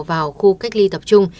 vào khu cách ly tập trung